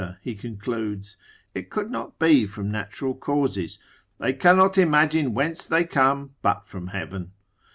he concludes, it could not be from natural causes, they cannot imagine whence they come, but from heaven.